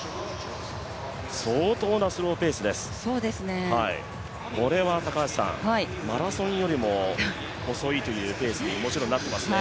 相当なスローペースです、これはマラソンよりも遅いというペースになっていますね。